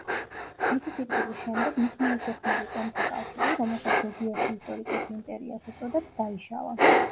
მისი სიკვდილის შემდეგ მის მიერ შექმნილი ტომთა კავშირი, რომელსაც ზოგიერთი ისტორიკოსი „იმპერიას“ უწოდებს, დაიშალა.